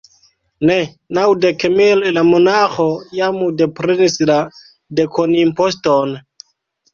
Ne, naŭdek mil: la monaĥo jam deprenis la dekonimposton.